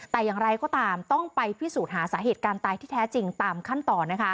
แต่อย่างไรก็ตามต้องไปพิสูจน์หาสาเหตุการณ์ตายที่แท้จริงตามขั้นตอน